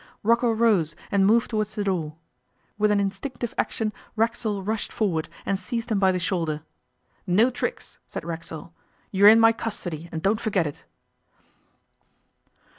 Rocco rose and moved towards the door. With an instinctive action Racksole rushed forward and seized him by the shoulder. 'No tricks!' said Racksole. 'You're in my custody and don't forget it.